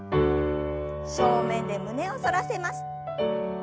正面で胸を反らせます。